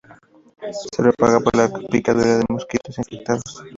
Se propaga por la picadura de mosquitos infectados.